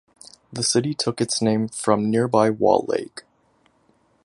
The city took its name from nearby Wall Lake.